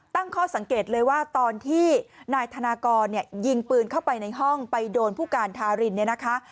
ตั้งข้อสังเกตเลยว่าตอนที่นายธนากรเนี่ยยิงปืนเข้าไปในห้องไปโดนผู้การทารินเนี่ยนะคะ